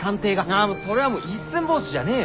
ああそれはもう「一寸法師」じゃねえよ。